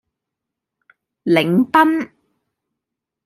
檸賓